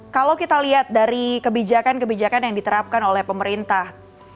kalau kita lihat dari kebijakan kebijakan yang diterapkan oleh pemerintah